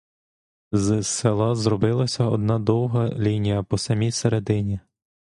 З села зробилася одна довга лінія по самій середині.